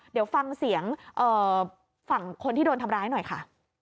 เดี๋ยวฟังเสียงฝั่งคนที่โดนทำร้ายหน่อยค่ะ